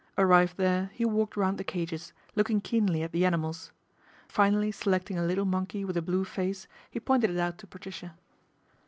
Arrived there he walked round the cages, looking keenly at the animals. Finally selecting a little monkey with a blue face, he pointed it out to Patricia.